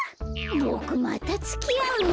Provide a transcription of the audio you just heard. ボクまたつきあうの？